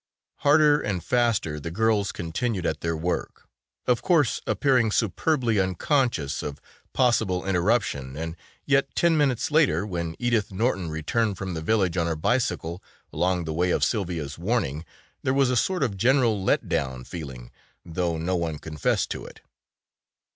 Harder and faster the girls continued at their work, of course appearing superbly unconscious of possible interruption and yet ten minutes later, when Edith Norton returned from the village on her bicycle along the way of Sylvia's warning, there was a sort of general let down feeling though no one confessed to it.